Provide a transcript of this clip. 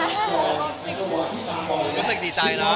รู้สึกดีใจเนอะ